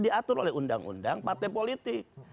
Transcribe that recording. diatur oleh undang undang partai politik